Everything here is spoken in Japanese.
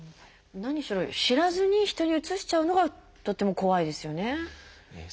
何しろ知らずに人にうつしちゃうのがとっても怖いですよね。